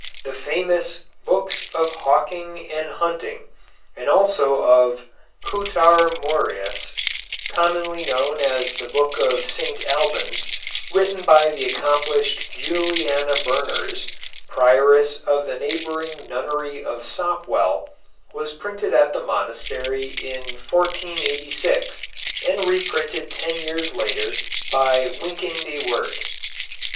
The famous Bokys of Haukyng and Huntyng, and also of Cootarmuris, commonly known as the Book of St Albans, written by the accomplished Juliana Berners, prioress of the neighbouring nunnery of Sopwell, was printed at the monastery in 1486, and reprinted ten years later by Wynkyn de Worde.